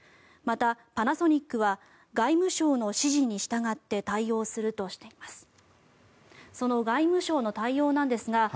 また、パナソニックは外務省の指示に従って対応するとしています。